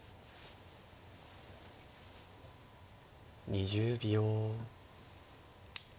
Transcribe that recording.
２０秒。